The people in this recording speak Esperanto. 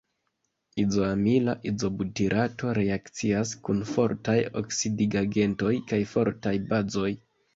Izoamila izobutirato reakcias kun fortaj oksidigagentoj kaj fortaj bazoj.